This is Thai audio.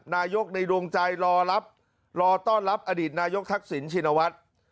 นายกในดวงใจรอต้อนรับอดีตนายกทักศิลป์ชินวัฒน์